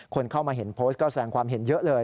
คนเข้ามาเห็นโพสต์ก็แสงความเห็นเยอะเลย